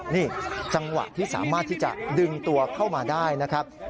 นี่จังหวะที่สามารถที่จะดึงตัวเข้ามาได้นะครับ